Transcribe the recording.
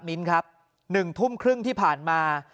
มิ้นครับ๑ทุ่มครึ่งที่ผ่านมา